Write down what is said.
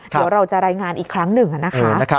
เดี๋ยวเราจะรายงานอีกครั้งหนึ่งนะคะ